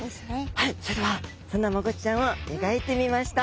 はいそれではそんなマゴチちゃんを描いてみました。